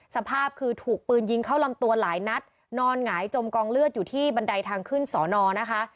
สภาพคือถูกปืนยิงเข้าลำตัวหลายนัดนอนหงายจมกองเลือดอยู่ที่บันไดทางขึ้นสอนอนะคะ